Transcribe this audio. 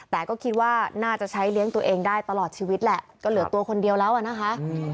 แต่ก็คิดว่าน่าจะใช้เลี้ยงตัวเองได้ตลอดชีวิตแหละก็เหลือตัวคนเดียวแล้วอ่ะนะคะ